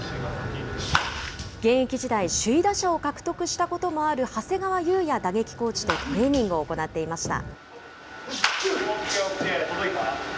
現役時代、首位打者を獲得したこともある長谷川勇也打撃コーチとトレーニングを行っていました。